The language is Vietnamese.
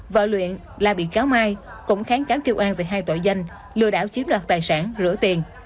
vợ luyện là bị cáo mai cũng kháng cáo kêu an về hai tội danh lừa đảo chiếm đoạt tài sản rửa tiền